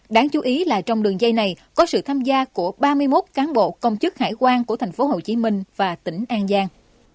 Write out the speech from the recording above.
đáng chú ý là trong đường dây này có sự tham gia của ba mươi một cán bộ công chức hải quan của tp hcm và tỉnh an giang